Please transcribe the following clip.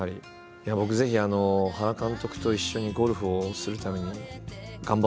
いや僕ぜひ原監督と一緒にゴルフをするために頑張ろうと。